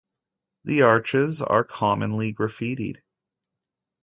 The arches are commonly graffitied.